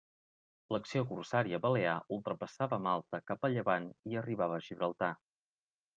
L'acció corsària balear ultrapassava Malta cap a llevant i arribava a Gibraltar.